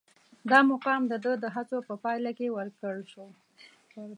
دا مقام د ده د هڅو په پایله کې ورکړل شو.